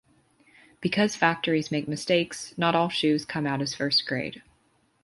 Because factories make mistakes, not all shoes come out as first grade.